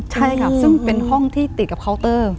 ใช่ค่ะซึ่งเป็นห้องที่ติดกับเคาน์เตอร์